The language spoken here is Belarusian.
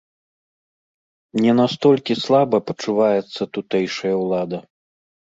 Не настолькі слаба пачуваецца тутэйшая ўлада.